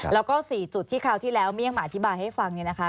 แล้วก็๔จุดที่คราวที่แล้วเมี่ยงมาอธิบายให้ฟังเนี่ยนะคะ